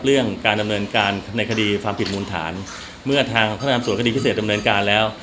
เรื่องการดำเนินการในคดีความผิดมูลฐานเมื่อทางพัฒนาส่วนคดีพิเศษดำเนินการแล้ว